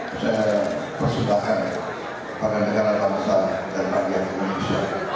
dan saya persyukurkan kepada negara bangsa dan rakyat indonesia